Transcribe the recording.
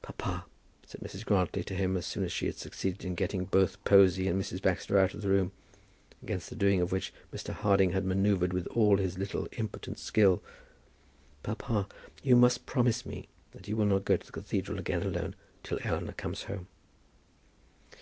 "Papa," said Mrs. Grantly to him as soon as she had succeeded in getting both Posy and Mrs. Baxter out of the room, against the doing of which, Mr. Harding had manoeuvred with all his little impotent skill, "Papa, you must promise me that you will not go to the cathedral again alone, till Eleanor comes home."